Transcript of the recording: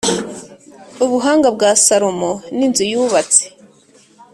ubuhanga bwa Salomo n inzu yubatse